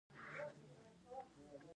د پولې او پټي شخړه لرئ؟